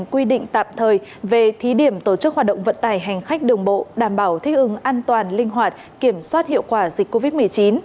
quy định tạm thời về thí điểm tổ chức hoạt động vận tải hành khách đường bộ đảm bảo thích ứng an toàn linh hoạt kiểm soát hiệu quả dịch covid một mươi chín